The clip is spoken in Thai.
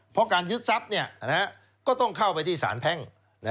เพราะการยึดทรัพย์ก็ต้องเข้าไปที่สารแพ่ง